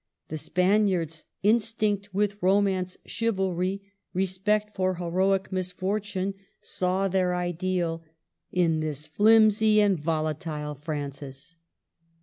The Span iards, instinct with romance, chivalry, respect for heroic misfortune, saw their ideal in this THE CAPTIVITY. 8/ flimsy and volatile Francis.